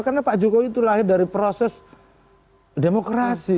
karena pak jokowi itu lahir dari proses demokrasi